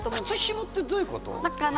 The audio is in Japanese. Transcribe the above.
靴ひもってどういうこと？